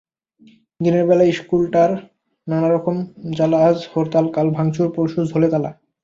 দিনের বেলার ইশকুলটায় নানান রকম জ্বালাআজ হরতাল, কাল ভাঙচুর, পরশু ঝোলে তালা।